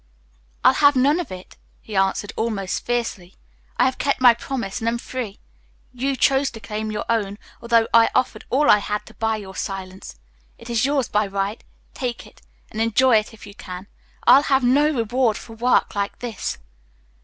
"I'll have none of it," he answered, almost fiercely. "I have kept my promise, and am free. You chose to claim your own, although I offered all I had to buy your silence. It is yours by right take it, and enjoy it if you can. I'll have no reward for work like this."